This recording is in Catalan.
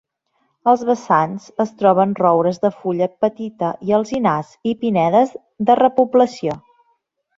Als vessants, es troben roures de fulla petita i alzinars i pinedes de repoblació.